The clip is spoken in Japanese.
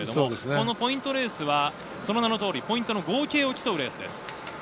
ポイントレースはその名の通りポイントの合計を競うレースです。